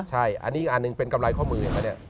ใช่อันนี้อันนึงเป็นกำไรข้อมือเหมือนกันเนี่ย